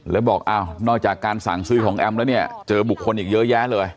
แล้วบอกอ้าวนอกจากการสั่งซื้อของแอมแล้วเนี่ยเจอบุคคลอีกเยอะแยะเลย